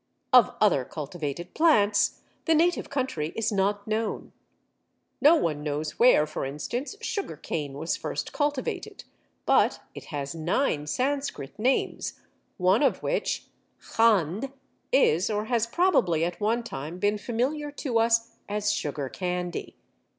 Of other cultivated plants the native country is not known. No one knows where, for instance, Sugar cane was first cultivated, but it has nine Sanskrit names, one of which, khand, is, or has probably at one time been familiar to us as sugar candy.